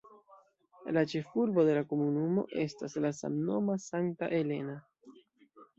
La ĉefurbo de la komunumo estas la samnoma Santa Elena.